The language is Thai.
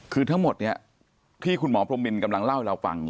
คือทั้งหมดเนี่ยที่คุณหมอพรมมินกำลังเล่าให้เราฟัง